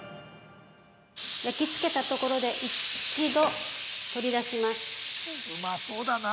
◆焼きつけたところで一度、取り出します。